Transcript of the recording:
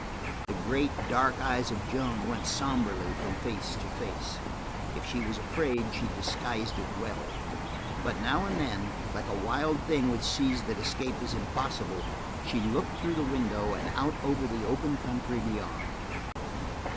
The great, dark eyes of Joan went somberly from face to face. If she was afraid, she disguised it well, but now and then, like a wild thing which sees that escape is impossible, she looked through the window and out over the open country beyond.